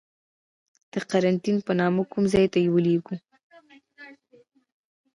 د قرنتین په نامه کوم ځای ته یې ولیږلو.